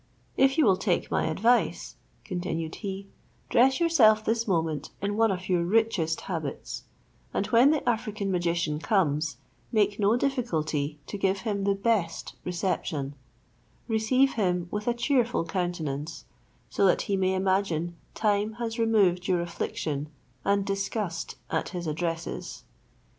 "If you will take my advice," continued he, "dress yourself this moment in one of your richest habits, and when the African magician comes, make no difficulty to give him the best reception; receive him with a cheerful countenance, so that he may imagine time has removed your affliction and disgust at his addresses.